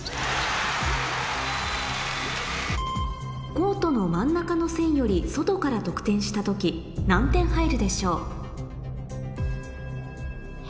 コートの真ん中の線より外から得点した時何点入るでしょう？